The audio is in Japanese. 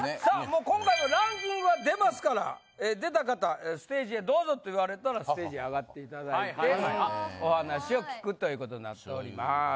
さあもう今回はランキングが出ますから出た方ステージへどうぞと言われたらステージへ上がっていただいてお話を聞くということになっております。